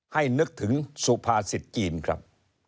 นึกถึงสุภาษิตจีนครับ